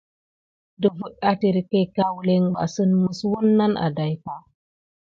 Dəfɗa étirké kaoulin bà sine kume nà wuna ka pay nà nane kilenké.